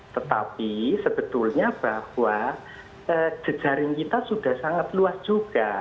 tetapi sebetulnya bahwa jejaring kita sudah sangat luas juga